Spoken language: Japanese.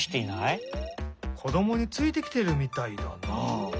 こどもについてきてるみたいだなあ。